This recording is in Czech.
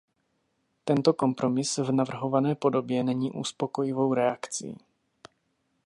Tento kompromis v navrhované podobě není uspokojivou reakcí.